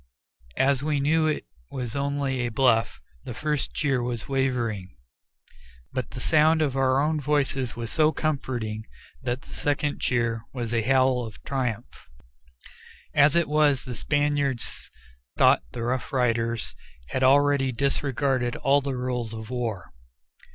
As we knew it was only a bluff, the first cheer was wavering, but the sound of our own voices was so comforting that the second cheer was a howl of triumph. As it was, the Spaniards thought the Rough Riders had already disregarded all the rules of war.